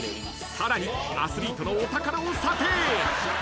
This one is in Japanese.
［さらにアスリートのお宝を査定］